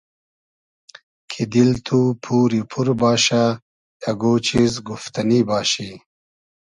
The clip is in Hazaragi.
کی دیل تو پوری پور باشۂ اگۉ چیز گوفتئنی باشی